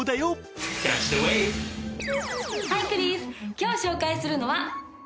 今日紹介するのはこちら。